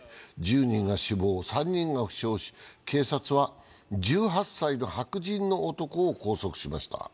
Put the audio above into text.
１０人が負傷３人が死亡し、警察は１８歳の白人の男を拘束しました。